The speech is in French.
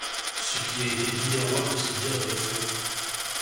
Ce qui a été dit des rois peut se dire des flots.